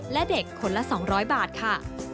และเด็กคนละ๒๐๐บาทค่ะ